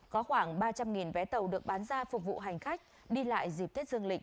có khoảng ba trăm linh vé tàu được bán ra phục vụ hành khách đi lại dịp tết dương lịch